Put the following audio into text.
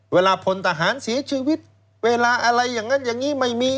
พลทหารเสียชีวิตเวลาอะไรอย่างนั้นอย่างนี้ไม่มี